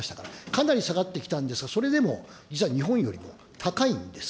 かなり下がってきたんですが、それでも実は日本よりも高いんです。